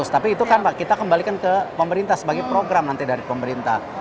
tapi itu kan kita kembalikan ke pemerintah sebagai program nanti dari pemerintah